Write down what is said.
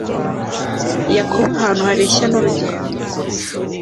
yakobo ahantu hareshya n urugendo